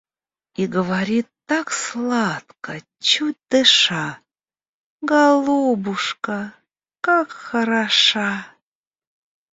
И говорит так сладко, чуть дыша: «Голубушка, как хороша!»